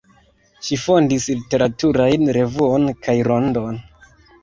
Ŝi fondis literaturajn revuon kaj rondon.